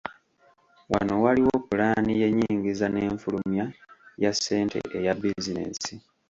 Wano waliwo pulaani y’ennyingiza n’enfulumya ya ssente eya bizinensi.